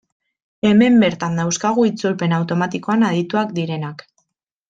Hemen bertan dauzkagu itzulpen automatikoan adituak direnak.